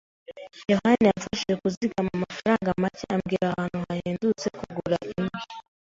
yohani yamfashije kuzigama amafaranga make ambwira ahantu hahendutse kugura imwe.